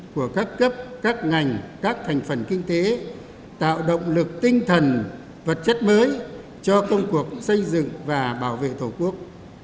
của các cấp các ngành các thành phần kinh tế tạo động lực tinh thần vật chất mới cho công cuộc xây dựng và bảo vệ thổ quốc